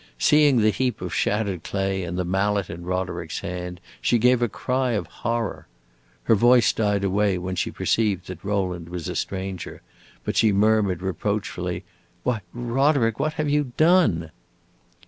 Seeing the heap of shattered clay and the mallet in Roderick's hand, she gave a cry of horror. Her voice died away when she perceived that Rowland was a stranger, but she murmured reproachfully, "Why, Roderick, what have you done?"